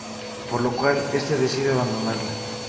Por lo cual este decide abandonarla.